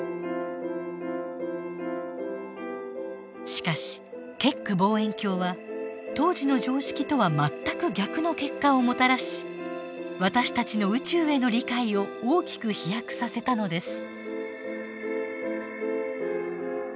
しかしケック望遠鏡は当時の常識とは全く逆の結果をもたらし私たちの宇宙への理解を大きく飛躍させたのです。